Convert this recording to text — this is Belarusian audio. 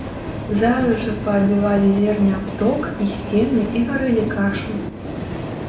Зараз жа паабівалі зерне аб ток і сцены і варылі кашу.